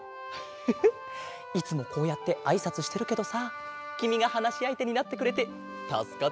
フフッいつもこうやってあいさつしてるけどさきみがはなしあいてになってくれてたすかってるよ。